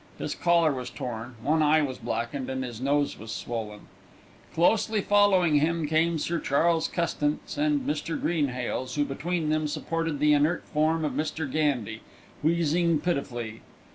His collar was torn, one eye was blackened, and his nose was swollen. Closely following him came Sir Charles Custance and Mr. Greenhales, who between them supported the inert form of Mr. Gandy, wheezing pitifully.